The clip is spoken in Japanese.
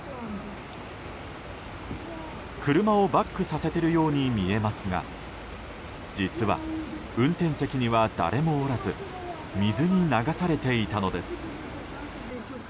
車をバックさせているように見えますが実は、運転席には誰もおらず水に流されていたのです。